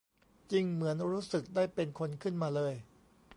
"จริง เหมือนรู้สึกได้เป็นคนขึ้นมาเลย"